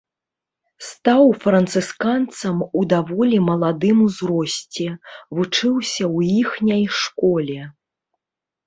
Стаў францысканцам у даволі маладым узросце, вучыўся ў іхняй школе.